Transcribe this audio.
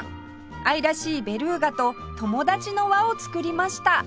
愛らしいベルーガと友達の輪を作りました